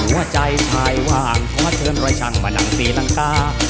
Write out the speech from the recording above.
หัวใจชายว่างเพราะเชิญร้อยชันผ่านหลังฝีหลังกา